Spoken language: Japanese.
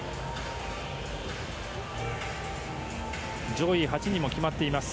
上位８人も決まっています。